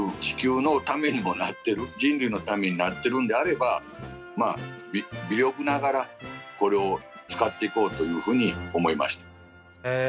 地球のためにもなってる人類のためになってるんであれば微力ながらこれを使っていこうというふうに思いました。